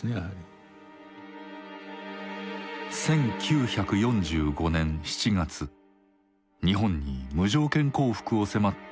１９４５年７月日本に無条件降伏を迫ったポツダム宣言。